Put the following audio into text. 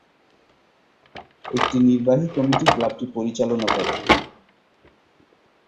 একটি নির্বাহী কমিটি ক্লাবটি পরিচালনা করে।